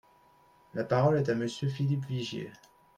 La parole est à Monsieur Philippe Vigier.